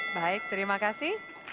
baik terima kasih